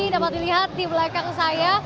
dapat dilihat di belakang saya